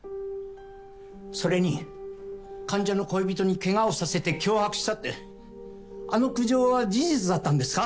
それに患者の恋人にケガをさせて脅迫したってあの苦情は事実だったんですか？